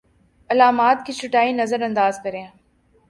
علامات کی چھٹائی نظرانداز کریں